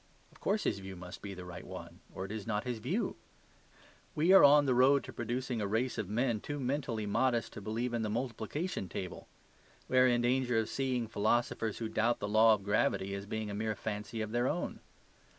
Of course his view must be the right one, or it is not his view. We are on the road to producing a race of men too mentally modest to believe in the multiplication table. We are in danger of seeing philosophers who doubt the law of gravity as being a mere fancy of their own.